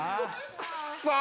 くっそー！